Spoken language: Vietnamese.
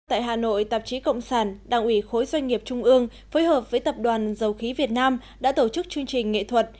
tại hà nội tạp chí cộng sản đảng ủy khối doanh nghiệp trung ương phối hợp với tập đoàn dầu khí việt nam đã tổ chức chương trình nghệ thuật